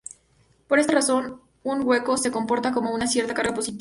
Por esta razón un hueco se comporta como una cierta carga positiva.